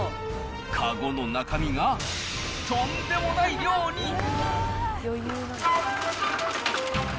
籠の中身が、とんでもない量に。